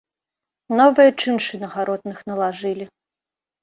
Новыя чыншы на гаротных налажылі.